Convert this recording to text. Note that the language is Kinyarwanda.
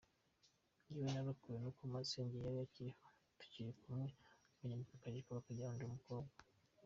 Njyewe narokowe n’uko masenge yari akiriho tukiri kumwe akanyambika akajipo bakagirango ndi umukobwa.